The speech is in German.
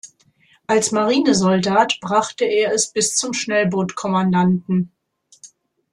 Als Marinesoldat brachte er es bis zum Schnellboot-Kommandanten.